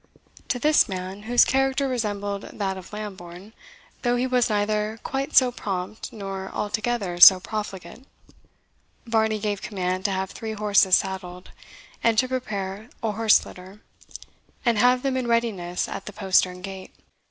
To this man, whose character resembled that of Lambourne, though he was neither quite so prompt nor altogether so profligate, Varney gave command to have three horses saddled, and to prepare a horse litter, and have them in readiness at the postern gate.